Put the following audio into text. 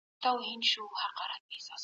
د دې ډول دسیسو یوه بله روښانه بېلګه د «ناشناس